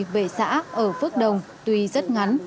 về xã ở phước đồng tuy rất ngắn